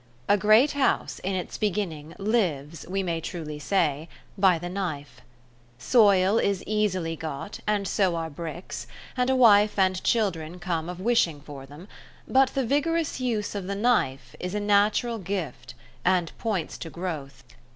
A great House in its beginning lives, we may truly say, by the knife. Soil is easily got, and so are bricks, and a wife, and children come of wishing for them, but the vigorous use of the knife is a natural gift and points to growth.